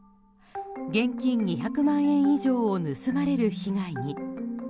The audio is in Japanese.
現金２００万円以上を盗まれる被害に。